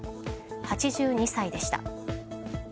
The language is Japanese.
８２歳でした。